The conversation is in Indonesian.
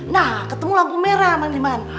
nah ketemu lampu merah mang liman